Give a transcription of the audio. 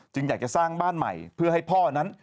อยากจะสร้างบ้านใหม่เพื่อให้พ่อนั้น